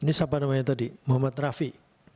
ini siapa namanya tadi muhammad rafi